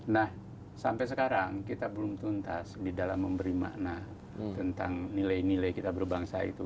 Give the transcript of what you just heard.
nah sampai sekarang kita belum tuntas di dalam memberi makna tentang nilai nilai kita berbangsa itu